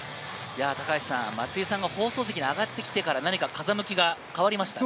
松井さんが放送席に上がってきてから何か風向きが変わりましたね。